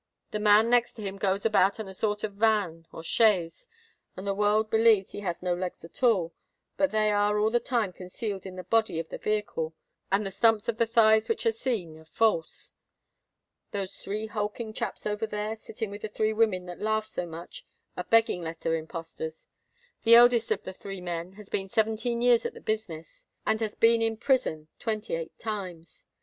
The man next to him goes about on a sort of van, or chaise, and the world believes that he has no legs at all; but they are all the time concealed in the body of the vehicle, and the stumps of the thighs which are seen are false. Those three hulking chaps over there, sitting with the three women that laugh so much, are begging letter impostors. The eldest of the three men has been seventeen years at the business, and has been in prison twenty eight times.